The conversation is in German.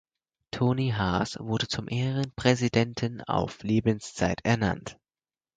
Toni Haas wurde zum Ehrenpräsidenten auf Lebenszeit ernannt.